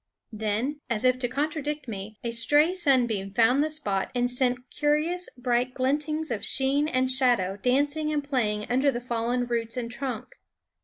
Then, as if to contradict me, a stray sunbeam found the spot and sent curious bright glintings of sheen and shadow dancing and playing under the fallen roots and trunk.